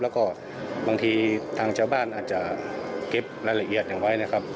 แล้วก็บางทีทางชาวบ้านอาจจะเก็บรายละเอียดกันไว้นะครับ